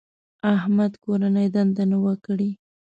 احمد کورنۍ دنده نه وه کړې.